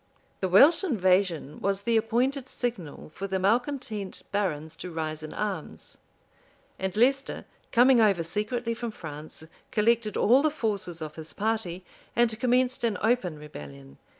The Welsh invasion was the appointed signal for the malecontent barons to rise in arms; and Leicester, coming over secretly from France, collected all the forces of his party, and commenced an open rebellion.